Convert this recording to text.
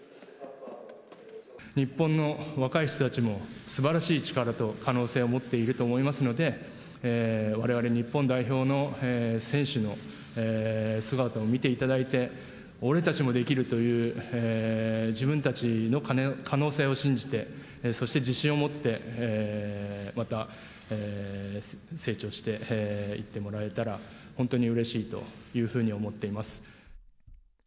日本の若い人たちも、すばらしい力と可能性を持っていると思いますので、われわれ日本代表の選手の姿を見ていただいて、俺たちもできるという、自分たちの可能性を信じて、そして自信を持って、また成長していってもらえたら、本当にうれしいというふうに思っています。